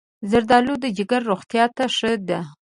زردالو د جگر روغتیا ته ښه ده.